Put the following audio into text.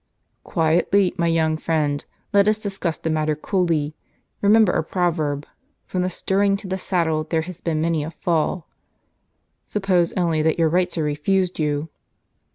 " Quietly, my young friend ; let us discuss the matter coolly. Kemember our proverb: 'From the stirrup to the * Jan. 31. ffi saddle there has been many a fall.' Suppose only that your rights are refused you."